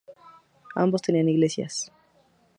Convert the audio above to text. Ambos tenían iglesias.